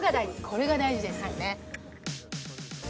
これが大事ですよね